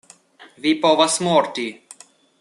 Vi povas morti.